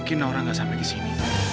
gak mungkin orang gak sampai ke sini